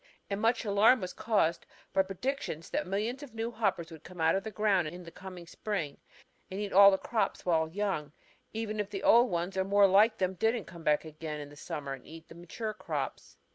And much alarm was caused by predictions that millions of new hoppers would come out of the ground in the coming spring and eat all the crops while young, even if the old ones or more like them didn't come again in the summer and eat the mature crops.